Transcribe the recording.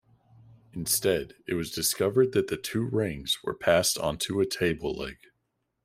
Instead, it was discovered that the two rings were passed onto a table leg.